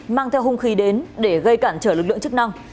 mang theo hung khí đến để gây cản trở lực lượng chức năng